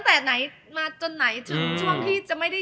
คุณพักรอผู้ชาย